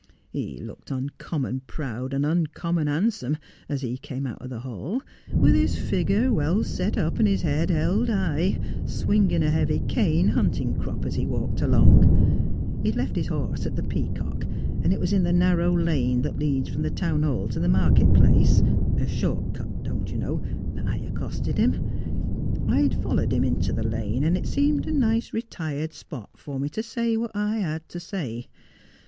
He looked uncommon proud and uncommon handsome as he came out of the hall, with his figure well set up, and his head held high, swinging a heavy cane hunting crop as he walked along. He'd left his horse at the Peacock, and it was in the narrow lane that leads from the Town Hall to the market place — a short cut, don't you know — that I accosted him. I'd followed him into the lane, and it seemed a nice retired spot for me to say what I had to say.